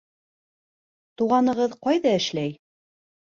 Туғанығыҙ ҡайҙа эшләй?